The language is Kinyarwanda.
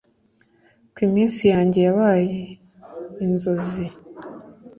ko iminsi yanjye yabaye inzozi